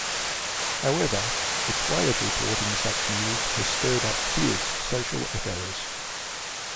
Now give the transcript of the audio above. However, its way of reporting such news has stirred up fierce social echoes.